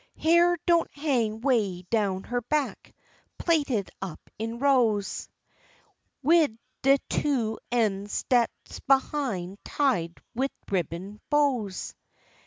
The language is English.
Hair don't hang 'way down her back; plaited up in rows; Wid de two en's dat's behin' tied wid ribben bows.